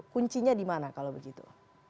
kuncinya di mana kalau begitu